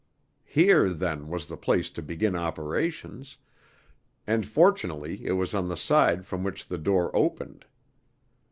Here, then, was the place to begin operations, and fortunately it was on the side from which the door opened.